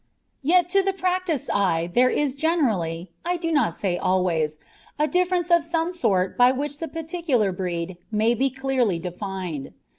Yet to the practised eye there is generally I do not say always a difference of some sort by which the particular breed may be clearly defined.